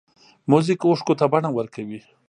موزیک اوښکو ته بڼه ورکوي.